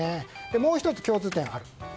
もう１つ共通点があります。